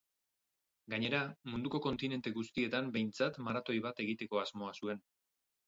Gainera, munduko kontinente guztietan behintzat maratoi bat egiteko asmoa zuen.